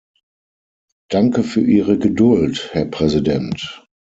Danke für Ihre Geduld, Herr Präsident.